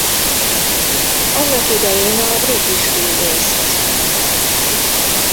Annak idején a British Railways használta.